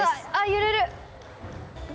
揺れる！